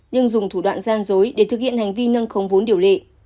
nhưng dùng thủ đoạn gian dối để thực hiện hành vi nâng khống vốn điều lệ